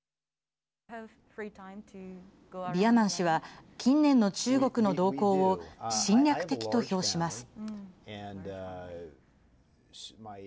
ビアマン氏は近年の中国の動向を侵略的と評します。